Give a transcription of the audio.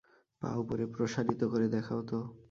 পা উপরে প্রসারিত করে দেখাও তো।